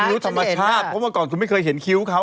รู้ธรรมชาติเพราะเมื่อก่อนคุณไม่เคยเห็นคิ้วเขา